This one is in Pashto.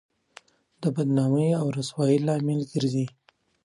د بدنامۍ او رسوایۍ لامل ګرځي.